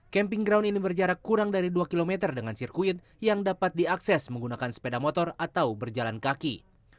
camping ground ini berjarak kurang dari dua km dengan sirkuit yang dapat diakses menggunakan sepeda motor atau berjalan kaki